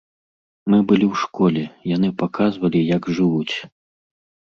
Мы былі ў школе, яны паказвалі, як жывуць.